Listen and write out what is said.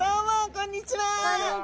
こんにちは！